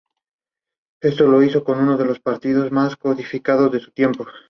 Francisco de Moure realizó una pintura y una escultura de esta Virgen.